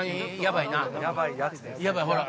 ほら！